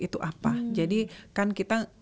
itu apa jadi kan kita